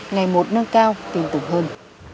ngày một nâng cao tin tưởng hơn